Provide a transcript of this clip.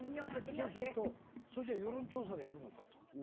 そうすると、世論調査でやるのかと。